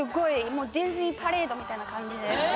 もうディズニーパレードみたいな感じです